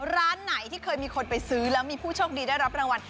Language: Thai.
ร้านไหนที่เคยมีคนไปซื้อแล้วมีผู้โชคดีได้รับรางวัล